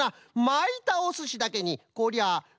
まいたおすしだけにこりゃまいった！